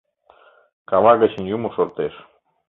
Кава гычын юмо шортеш.